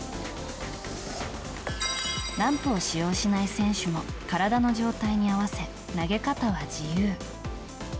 ランプを使用しない選手も体の状態に合わせ投げ方は自由。